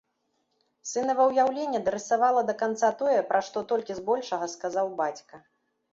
Сынава ўяўленне дарысавала да канца тое, пра што толькі збольшага сказаў бацька.